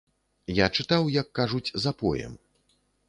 Я чытаў, як кажуць, запоем.